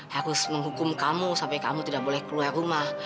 harus menghukum kamu sampai kamu tidak boleh keluar rumah